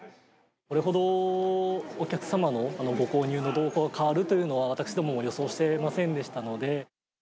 これほどお客様のご購入の動向が変わるというのは、私どもも予想してませんでしたので。